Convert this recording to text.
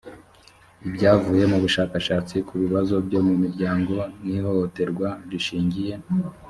ibyavuye mu bushakashatsi ku bibazo byo mu miryango n ihohoterwa rishingiye